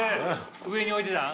上に置いてたん？